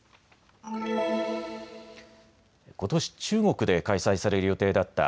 ことし中国で開催される予定だった